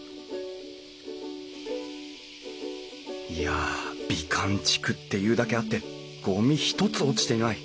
いや美観地区っていうだけあってゴミ一つ落ちていない。